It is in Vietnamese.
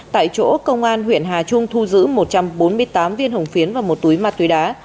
tại chỗ công an huyện hà trung thu giữ một trăm bốn mươi tám viên hồng phiến và một túi ma túy đá